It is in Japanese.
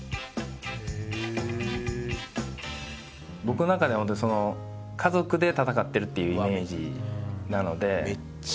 僕の中でホントにその家族で戦ってるっていうイメージなので。